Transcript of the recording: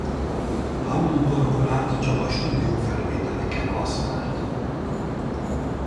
Hammond-orgonát csak a stúdiófelvételeken használt.